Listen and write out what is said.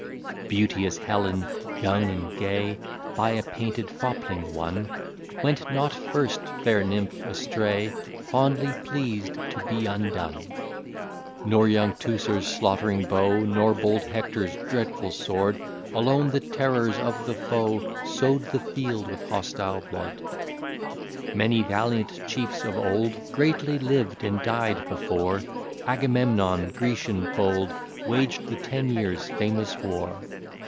Beauteous Helen, young and gay, By a painted fopling won, Went not first, fair nymph, astray, Fondly pleased to be undone. Nor young Teucer's slaughtering bow, Nor bold Hector's dreadful sword, Alone the terrors of the foe, Sow'd the field with hostile blood. Many valiant chiefs of old Greatly lived and died before Agamemnon, Grecian bold, Waged the ten years' famous war.